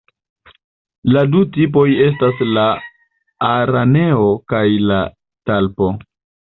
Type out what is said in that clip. La du tipoj estas la „araneo“ kaj la „talpo“.